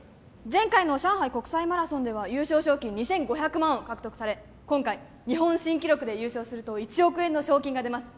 前回の上海国際マラソンでは優勝賞金２５００万を獲得され今回日本新記録で優勝すると１億円の賞金が出ます